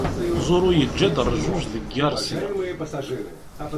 Zoro yeǧǧa-d rrjuj deg Garcia.